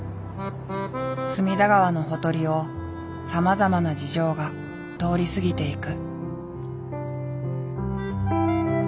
隅田川のほとりをさまざまな事情が通り過ぎていく。